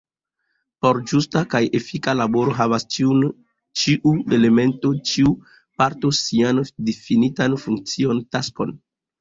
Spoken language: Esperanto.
Por ĝusta kaj efika laboro havas ĉiu elemento, ĉiu parto, sian difinitan funkcion, taskon.